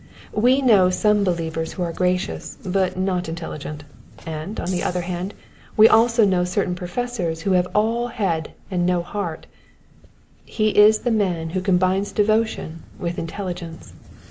We know some behevers who are gracious, but not intelligent ; and, on the other hand, we also know certain professors who have all head and no heart : he is the man who combines devotion with intelligence.